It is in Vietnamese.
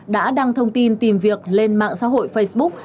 đã đăng thông tin tìm việc lên mạng xã hội facebook